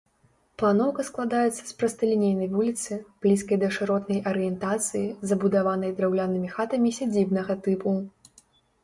Планоўка складаецца з прасталінейнай вуліцы, блізкай да шыротнай арыентацыі, забудаванай драўлянымі хатамі сядзібнага тыпу.